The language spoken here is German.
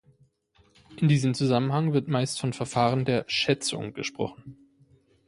In diesem Zusammenhang wird meist von Verfahren der "Schätzung" gesprochen.